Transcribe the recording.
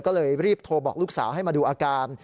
ก็เลยรีบโทรบอกลูกสาวให้มาดูอาการ